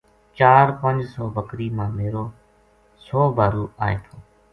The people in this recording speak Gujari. چار پنج سو بکری ما میر و سو بھارو آئے تھو